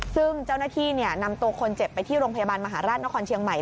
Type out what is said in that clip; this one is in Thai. ซึ่งเจ้าหน้าที่นำตัวคนเจ็บไปที่โรงพยาบาลมหาราชนครเชียงใหม่